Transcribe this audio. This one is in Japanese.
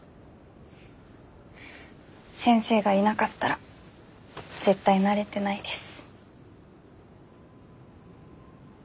先生がいなかったら絶対なれてないです。